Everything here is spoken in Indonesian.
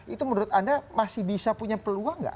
itu menurut anda masih bisa punya peluang nggak